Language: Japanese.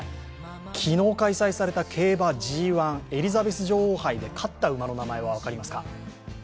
昨日開催された競馬Ｇ１、エリザベス女王杯で勝った馬の名前分かりますか？